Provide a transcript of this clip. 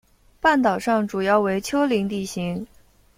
半岛上主要为丘陵地形。